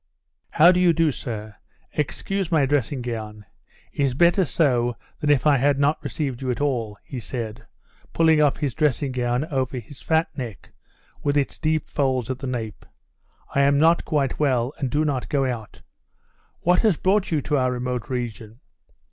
"How do you do, sir? Excuse my dressing gown; it is better so than if I had not received you at all," he said, pulling up his dressing gown over his fat neck with its deep folds at the nape. "I am not quite well, and do not go out. What has brought you to our remote region?"